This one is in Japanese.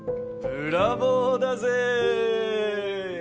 ブラボーだぜ。